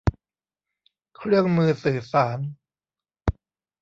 เครื่องมือสื่อสาร